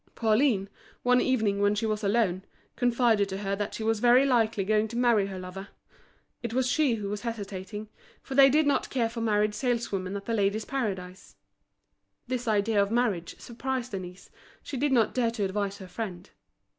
Pauline, one evening when she was alone, confided to her that she was very likely going to marry her lover; it was she who was hesitating, for they did not care for married saleswomen at The Ladies' Paradise. This idea of marriage surprised Denise, she did not dare to advise her friend.